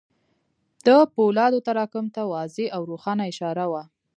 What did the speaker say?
د پولادو تراکم ته واضح او روښانه اشاره وه.